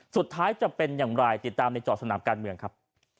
จะเป็นอย่างไรติดตามในจอดสนามการเมืองครับ